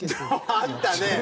あんたね！